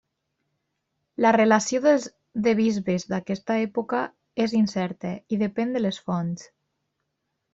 La relació de bisbes d'aquesta època és incerta i depèn de les fonts.